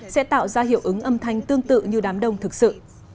sẽ tạo ra hiệu ứng âm thanh tương tự như đám đông thực sự